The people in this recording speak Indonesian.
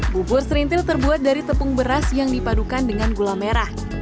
bubur serintil terbuat dari tepung beras yang dipadukan dengan gula merah